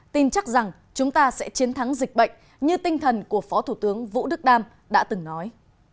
tin chắc rằng chúng ta sẽ chiến thắng dịch bệnh như tinh thần của phó thủ tướng vũ đức đam đã từng nói